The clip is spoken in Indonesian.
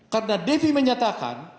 karena devi menyatakan